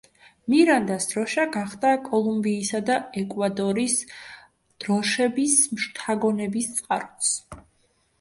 მირანდას დროშა გახდა კოლუმბიისა და ეკვადორის დროშების შთაგონების წყაროც.